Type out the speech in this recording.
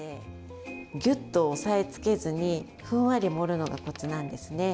ギュッと押さえつけずにふんわり盛るのがコツなんですね。